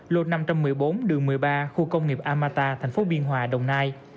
lột năm trăm một mươi bốn đường một mươi ba khu công nghiệp amata tp biên hòa đồng nai